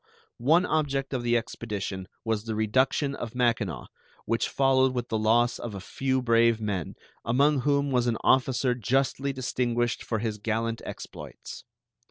One object of the expedition was the reduction of Mackinaw, which followed with the loss of a few brave men, among whom was an officer justly distinguished for his gallant exploits.